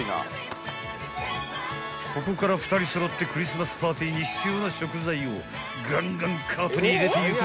［ここから２人揃ってクリスマスパーティーに必要な食材をガンガンカートに入れていく］